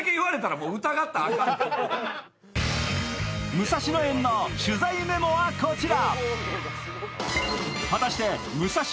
武蔵野園の取材メモはこちら。